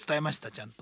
ちゃんと。